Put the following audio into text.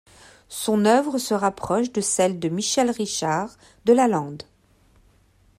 Son œuvre se rapproche de celle de Michel-Richard de Lalande.